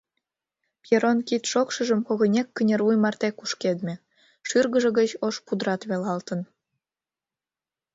Пьерон кид шокшыжым когынек кынервуй марте кушкедме, шӱргыжӧ гыч ош пудрат велалтын.